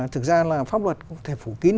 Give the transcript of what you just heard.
thực ra là pháp luật có thể phủ kín